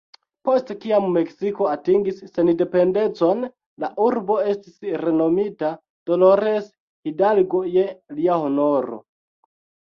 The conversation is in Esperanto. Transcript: Post kiam Meksiko atingis sendependecon, la urbo estis renomita "Dolores Hidalgo" je lia honoro.